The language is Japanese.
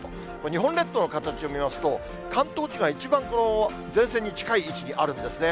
日本列島の形を見ますと、関東地方が一番前線に近い位置にあるんですね。